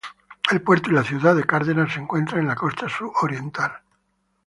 El puerto y la ciudad de Cárdenas se encuentran en la costa suroriental.